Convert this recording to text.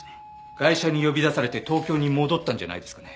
ガイシャに呼び出されて東京に戻ったんじゃないですかね。